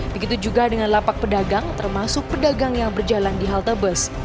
begitu juga dengan lapak pedagang termasuk pedagang yang berjalan di halte bus